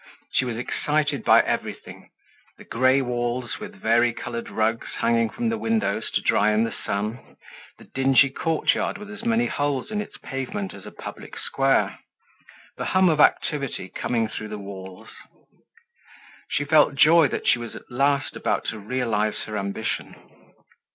She was excited by everything: the gray walls with varicolored rugs hanging from windows to dry in the sun, the dingy courtyard with as many holes in its pavement as a public square, the hum of activity coming through the walls. She felt joy that she was at last about to realize her ambition.